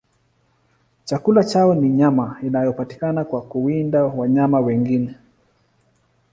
Chakula chao ni nyama inayopatikana kwa kuwinda wanyama wengine.